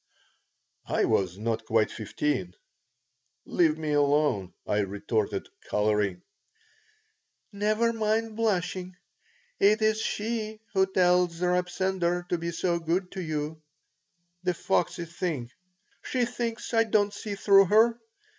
I was not quite fifteen "Leave me alone," I retorted, coloring "Never mind blushing. It is she who tells Reb Sender to be so good to you. The foxy thing! She thinks I don't see through her.